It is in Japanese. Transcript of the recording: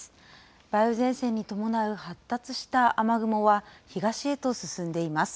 梅雨前線に伴う発達した雨雲は、東へと進んでいます。